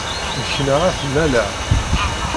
Nneknaɣ ad ten-alleɣ.